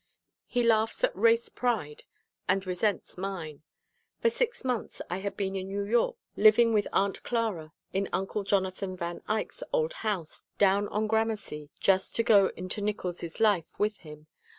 He laughs at race pride and resents mine. For six months I had been in New York living with Aunt Clara in Uncle Jonathan Van Eyek's old house down on Gramercy just to go into Nickols' life with him.